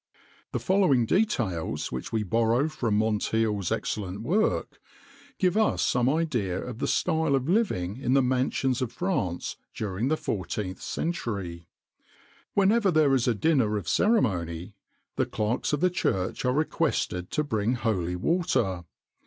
[XXIX 107] The following details, which we borrow from Monteil's excellent work,[XXIX 108] give us some idea of the style of living in the mansions of France during the 14th century: "Whenever there is a dinner of ceremony, the clerks of the church are requested to bring holy water.